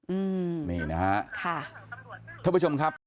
อืมท่านประชมครับ